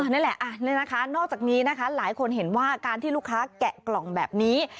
นั่นแหละนอกจากนี้นะคะหลายคนเห็นว่าการที่ลูกค้าแกะกล่องแบบนี้